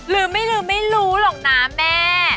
ลืมไม่ลืมไม่รู้หรอกนะแม่